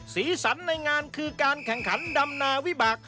สีสันในงานคือการแข่งขันดำนาวิบาก